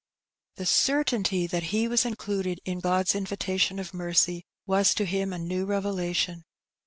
The certainty that he was included in God's invitation of mercy was to him a new revelation.